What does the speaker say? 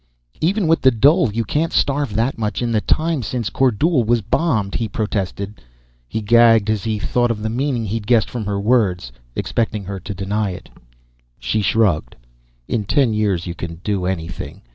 "Even with the dole, you can't starve that much in the time since Kordule was bombed," he protested. He gagged as he thought of the meaning he'd guessed from her words, expecting her to deny it. She shrugged. "In ten years, you can do anything.